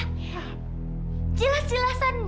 jelas jelasan dia mengaku hamil si fadil